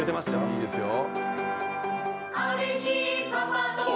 いいですよ。